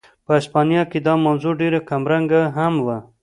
په هسپانیا کې دا موضوع ډېره کمرنګه هم وه.